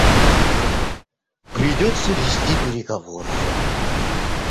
Придется вести переговоры.